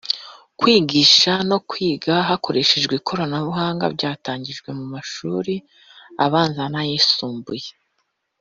Kwigisha no kwiga hakoreshejwe ikoranabuhanga byatangijwe mu mashuri abanza n’ayisumbuye